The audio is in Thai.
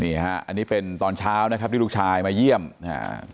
นี่ฮะอันนี้เป็นตอนเช้านะครับที่ลูกชายมาเยี่ยมอ่า